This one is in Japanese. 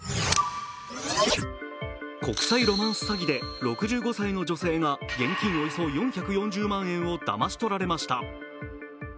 国際ロマンス詐欺で６５歳の女性が現金およそ４４０万円をだまし取られました。